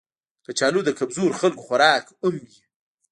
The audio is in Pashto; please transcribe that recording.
کچالو د کمزورو خلکو خوراک هم وي